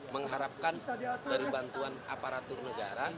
mengharapkan dari bantuan aparatur negara